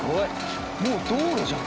もう道路じゃん。